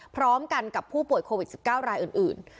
พร้อมกันกับผู้ป่วยโควิด๑๙รายอื่น